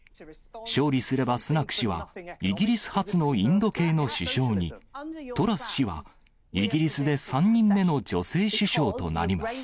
勝利すれば、スナク氏はイギリス初のインド系の首相に、トラス氏は、イギリスで３人目の女性首相となります。